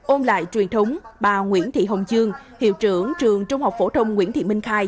ôn lại truyền thống bà nguyễn thị hồng chương hiệu trưởng trường trung học phổ thông nguyễn thị minh khai